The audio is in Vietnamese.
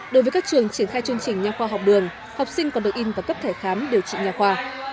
đối với các trường triển khai chương trình nhà khoa học đường học sinh còn được in và cấp thẻ khám điều trị nhà khoa